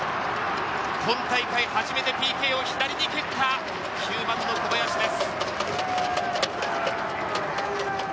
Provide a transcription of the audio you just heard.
今大会初めてＰＫを左に蹴った９番の小林です。